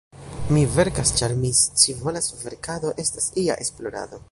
Mi verkas, ĉar mi scivolas; verkado estas ia esplorado.